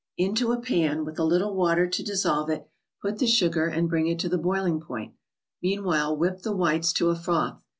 Into a pan, with a little water to dissolve it, put the sugar, and bring it to the boiling point. Meanwhile, whip the whites to a froth.